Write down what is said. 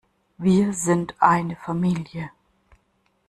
Wir sind eine Familie.